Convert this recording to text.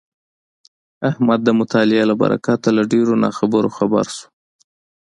احمد د مطالعې له برکته له ډېرو ناخبرو خبر شولو.